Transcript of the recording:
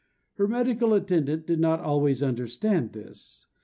Her medical attendant did not always understand this.